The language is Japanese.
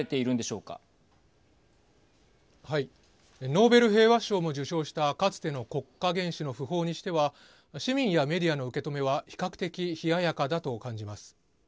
ノーベル平和賞も受賞したかつての国家元首の訃報にしては市民やメディアの受け止めは比較的、冷ややかだと感じます。